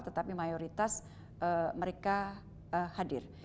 tetapi mayoritas mereka hadir